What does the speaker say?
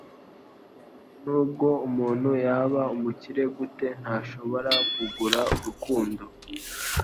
Nubwo umuntu yaba umukire gute, ntashobora kugura urukundo.